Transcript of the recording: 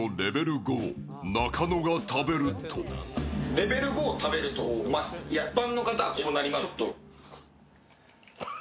レベル５を食べると、一般の方はこうなります。